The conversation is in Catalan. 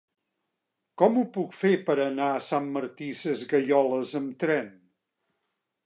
Com ho puc fer per anar a Sant Martí Sesgueioles amb tren?